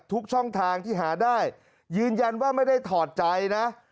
ทุกช่องทางที่หาได้ยืนยันว่าไม่ได้ถอดใจนะ